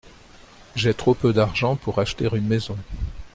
J’ai trop peu d’argent pour acheter une maison.